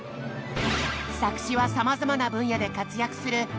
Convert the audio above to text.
作詞はさまざまな分野で活躍する劇団ひとりさん。